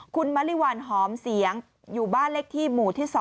คุณมริวัลหอมเสียงอยู่บ้านเลขที่หมู่ที่๒